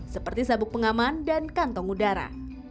seperti sabuk pengaman dan kantong udara